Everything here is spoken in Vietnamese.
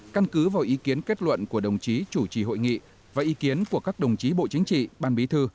căn cứ vào ý kiến kết luận của đồng chí chủ trì hội nghị và ý kiến của các đồng chí bộ chính trị ban bí thư